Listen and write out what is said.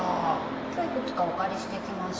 今日いくつかお借りしてきました